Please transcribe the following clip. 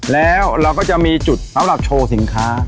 แล้วเราก็จะมีจุดสำหรับโชว์สินค้า